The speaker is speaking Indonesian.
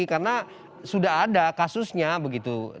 karena sudah ada kasusnya begitu